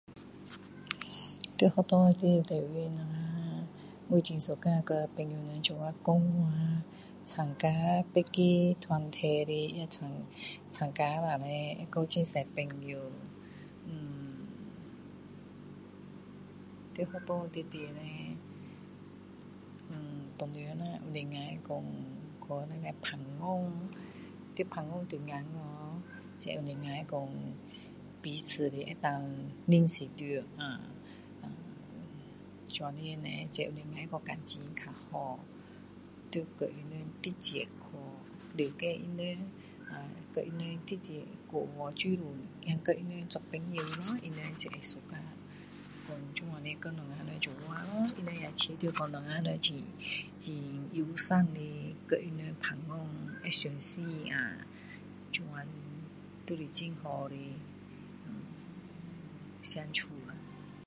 在学校的里最重要的我们我最喜欢跟朋友们讲话啊参加啊别的团体的参加了叻会交很多朋友erm在学校里面叻erm当然啦能够说去那里谈天在谈天当中哦才能够说彼此的可以认识到啊dan这样子叻才可以说感情较好要叫他们直接去了解他们叫他们直接过去自动一点跟他们做朋友咯他们才会这样跟我们一起lo他们也会觉得我们我们很很友善的和他们谈天会相信啊这样这样就是很好的相处啊